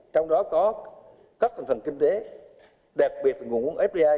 trong đó có các thành phần kinh tế đặc biệt là nguồn quân fbi để phục hồi